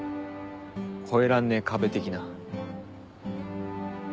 越えらんねえ壁的な。